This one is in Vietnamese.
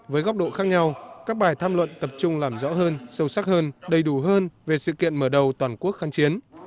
với góc độ khác nhau các bài tham luận tập trung làm rõ hơn sâu sắc hơn đầy đủ hơn về sự kiện mở đầu toàn quốc kháng chiến